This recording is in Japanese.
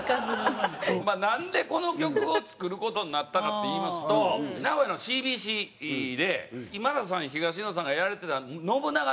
なんでこの曲を作る事になったかっていいますと名古屋のＣＢＣで今田さん東野さんがやられてた『ノブナガ』っていう番組